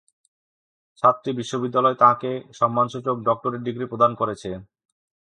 সাতটি বিশ্ববিদ্যালয় তাঁকে সম্মানসূচক ডক্টরেট ডিগ্রি প্রদান করেছে।